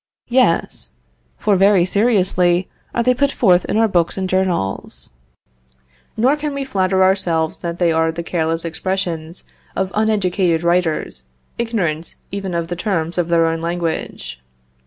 Yes, for very seriously are they put forth in our books and journals. Nor can we flatter ourselves that they are the careless expressions of uneducated writers, ignorant even of the terms of their own language.